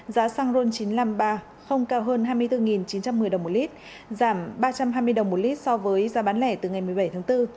giá xăng ron chín trăm năm mươi ba không cao hơn hai mươi bốn chín trăm một mươi đồng một lít giảm ba trăm hai mươi đồng một lít so với giá bán lẻ từ ngày một mươi bảy tháng bốn